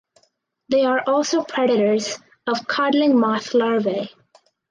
They are also predators of codling moth larvae.